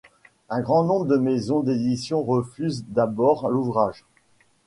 Un grand nombre de maisons d'édition refusent d’abord l’ouvrage.